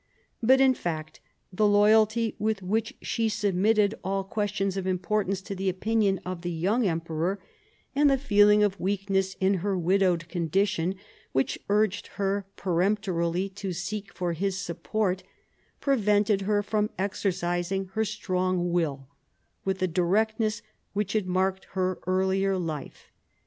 But, in fact, the loyalty with which she sub mitted all questions of importance to the opinion of the young emperor, and the feeling of weakness in her 224 THE CO REGENTS ohap. k widowed condition which urged her peremptorily to seek for his support, prevented her from exercising her strong will with the directness which had marked her earlier life.